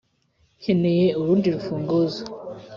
nkeneye urundi rufunguzo.